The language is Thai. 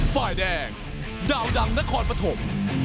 ฝ่ายแดงดาวดังนครปฐม